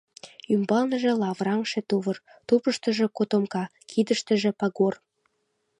Ӱмбалныже лавыраҥше тувыр, тупыштыжо котомка, кидыштыже пагор.